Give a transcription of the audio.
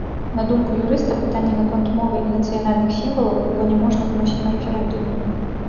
На думку юрыста, пытанні наконт мовы і нацыянальных сімвалаў было няможна выносіць на рэферэндум.